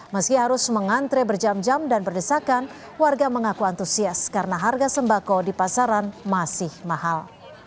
meski harus mengantre berjam jam dan berdesakan warga mengaku antusias karena harga sembako di pasaran masih mahal